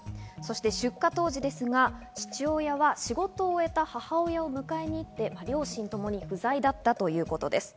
出火当時ですが、父親は仕事を終えた母親を迎えに行って両親ともに不在だったということです。